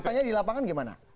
faktanya di lapangan gimana